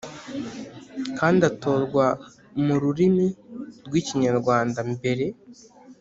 kandi atorwa mu rurimi rw Ikinyarwanda mbere